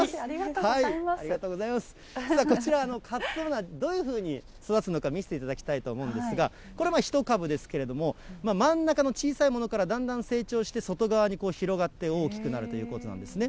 こちらかつお菜、どういうふうに育つのか、見せていただきたいと思うんですが、これ１株ですけれども、真ん中の小さいものからだんだん成長して外側に広がって大きくなるということなんですね。